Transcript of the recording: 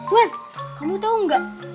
buat kamu tahu nggak